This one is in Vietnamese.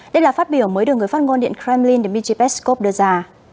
đây là phát biểu mới được người phát ngôn điện kremlin dmitry peskov đưa ra